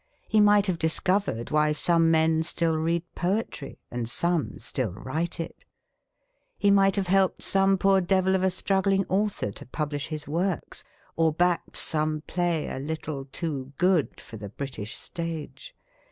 He might have discovered why some men still read poetry and some still write it ! He might have helped some poor devil of a struggling author to publish his works, or backed some play a little too good for the British stage.